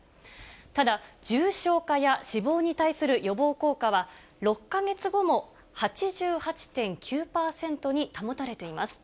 ただ、重症化や死亡に対する予防効果は、６か月後も８８．９％に保たれています。